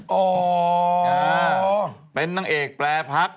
ออ้ออออออเป็นนางเอกแปรพัก